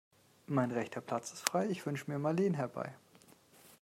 Mein rechter Platz ist frei, ich wünsche mir Marleen herbei.